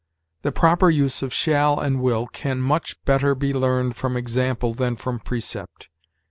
The proper use of shall and will can much better be learned from example than from precept.